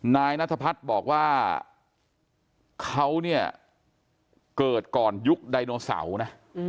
นายนัทพัฒน์บอกว่าเขาเนี่ยเกิดก่อนยุคไดโนเสาร์นะ